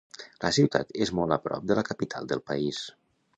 La ciutat és molt a prop de la capital del país.